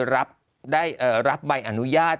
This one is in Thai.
รับใบอนุญาต